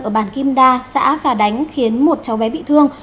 ở bản kim đa xã phà đánh khiến một cháu bé bị thương